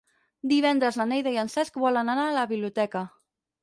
Divendres na Neida i en Cesc volen anar a la biblioteca.